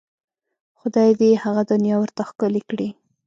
خدای دې یې هغه دنیا ورته ښکلې کړي.